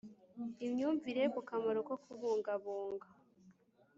imyumvire ku ‘kamaro ko kubungabunga